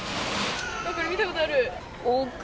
これ、見たことある。